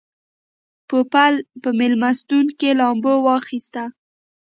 پوپل په مېلمستون کې لامبو واخیسته.